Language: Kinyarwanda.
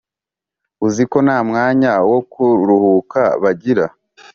uziko nta mwanya wo kuruhuka bagira